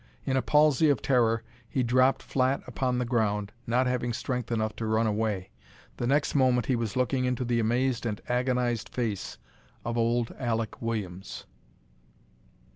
In a palsy of terror he dropped flat upon the ground, not having strength enough to run away. The next moment he was looking into the amazed and agonized face of old Alek Williams.